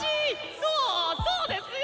そうそうですよ！